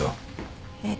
えっ？